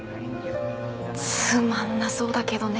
つまんなそうだけどね。